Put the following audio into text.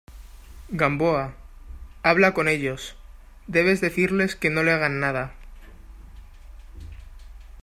Gamboa, habla con ellos. debes decirles que no le hagan nada .